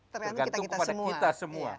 tergantung kepada kita semua